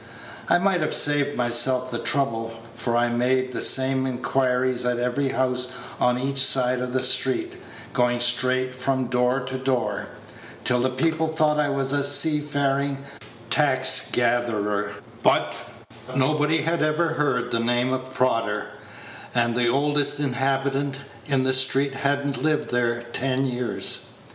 I might have saved myself the trouble, for I made the same inquiries at every house on each side of the street, going straight from door to door, till the people thought I was a sea farin' tax gatherer; but nobody had ever heard the name of Prodder, and the oldest inhabitant in the street had n't lived there ten years.